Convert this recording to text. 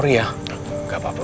tidak apa apa om